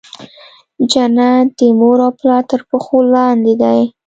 جنت د مور او پلار تر پښو لاندي دی.